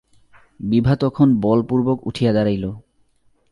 বিভা তখন বলপূর্বক উঠিয়া দাঁড়াইল।